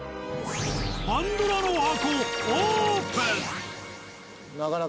パンドラの箱オープン。